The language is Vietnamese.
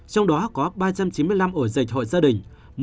trong đó có ba trăm chín mươi năm ổ dịch hội gia đình